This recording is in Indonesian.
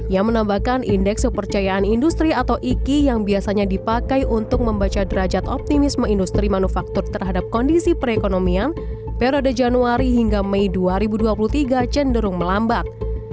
yang menambahkan indeks kepercayaan industri atau iki yang biasanya dipakai untuk membaca derajat optimisme industri manufaktur terhadap kondisi perekonomian periode januari hingga mei dua ribu dua puluh tiga cenderung melambat